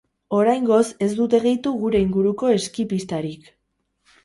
Oraingoz ez dute gehitu gure inguruko eski pistarik.